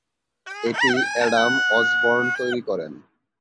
এটি Adam Osborne তৈরী করেন।